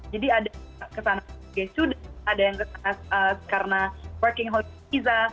jadi ada yang kesana gsu dan ada yang kesana karena working holiday visa